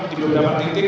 di bapak presiden